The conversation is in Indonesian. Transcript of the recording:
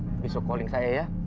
kalau ada besok calling saya ya